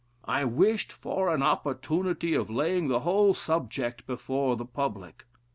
I wished for an opportunity of laying the whole subject before the public.